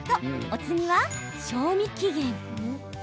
お次は賞味期限。